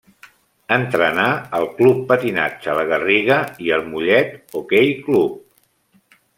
Entrenà el Club Patinatge La Garriga i el Mollet Hoquei Club.